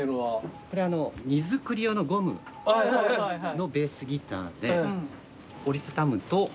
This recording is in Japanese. これ荷造り用のゴムのベースギターで折り畳むと。